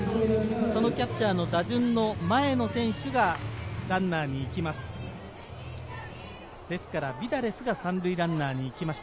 そのキャッチャーの打順の前の選手がランナーに行きます。